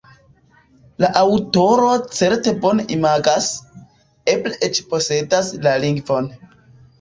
La aŭtoro certe bone imagas, eble eĉ posedas la lingvon.